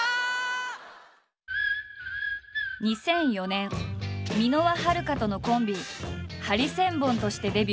２００４年箕輪はるかとのコンビハリセンボンとしてデビュー。